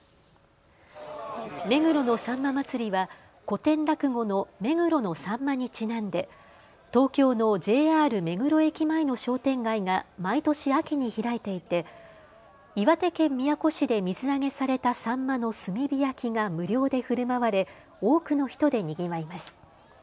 目黒のさんま祭りは古典落語の目黒のさんまにちなんで東京のＪＲ目黒駅前の商店街が毎年秋に開いていて岩手県宮古市で水揚げされたサンマの炭火焼きが無料でふるまわれ多くの人でにぎわいます。